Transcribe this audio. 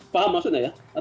paham maksudnya ya